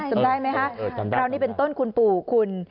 จำได้ไหมคะจำได้คราวนี้เป็นต้นคุณปู่คุณ